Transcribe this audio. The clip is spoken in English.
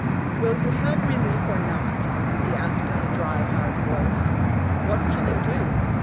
"Will you have relief, or not?" he asked in a dry, hard voice. "What can you do?